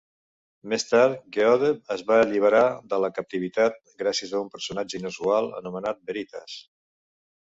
Més tard, Geode es va alliberar de la captivitat, gràcies a un personatge inusual anomenat Veritas.